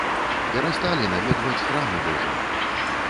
Перасталі наведваць храмы божыя.